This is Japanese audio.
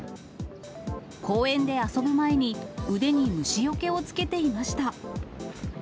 公園で遊ぶ前に、腕に虫よけをつけていました。